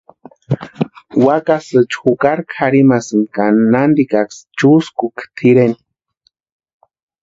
Wakasïecha jukari kʼarhimasïnti ka nantikaksï chúskukʼa tʼireni.